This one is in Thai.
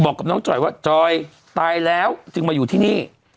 บอกกับน้องจอยว่าจอยตายแล้วจึงมาอยู่ที่นี่